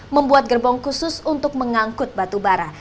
membuat gerbong khusus untuk mengangkut batu bara